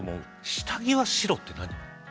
下着は白って何？